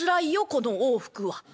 この往復は。